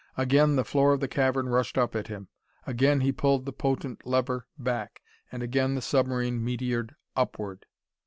Again the floor of the cavern rushed up at him, again he pulled the potent lever back, and again the submarine meteored upward.